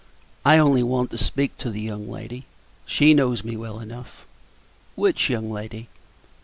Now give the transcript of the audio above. I only want to speak to the young lady: she knows me well enough." "Which young lady?"